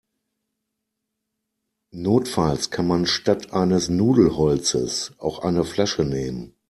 Notfalls kann man statt eines Nudelholzes auch eine Flasche nehmen.